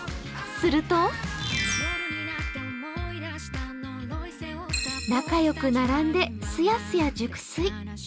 すると仲よく並んですやすや熟睡。